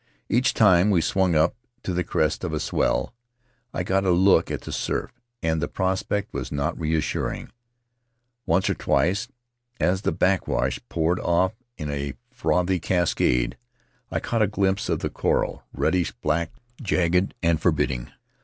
Each time we swung up to the crest of a swell I got a look at the surf, and the prospect was not reassuring. Once or twice, as the backwash poured off in a frothy cascade, I caught a glimpse of the coral — reddish black, jagged and forbidding.